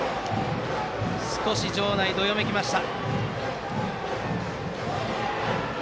少し場内どよめきました。